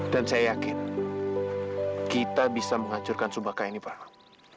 dan saya yakin kita bisa menghancurkan subakah ini pak